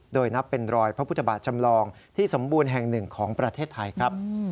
โดยนับเป็นรอยพระพุทธบาทจำลองที่สมบูรณ์แห่งหนึ่งของประเทศไทยครับ